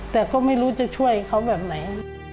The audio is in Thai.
แต่ก็ไม่รู้จะช่วยเขาแบบไหน